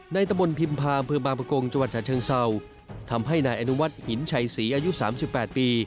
ในตะบลพิมพาเผือมาประกงจวัตรชะเชิงเศร้าทำให้นายอนุวัติหินชัยศรีอายุสามสิบแปดปี